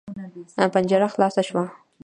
پنجره خلاصه شوه.